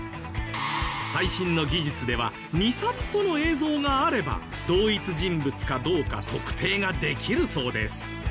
最新の技術では２３歩の映像があれば同一人物かどうか特定ができるそうです。